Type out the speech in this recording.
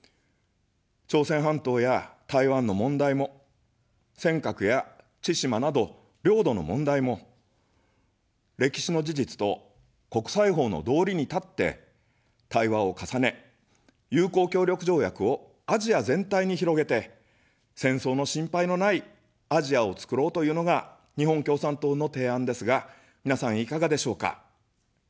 朝鮮半島や台湾の問題も、尖閣や千島など領土の問題も、歴史の事実と国際法の道理に立って、対話を重ね、友好協力条約をアジア全体に広げて、戦争の心配のないアジアをつくろうというのが日本共産党の提案ですが、みなさんいかがでしょうか。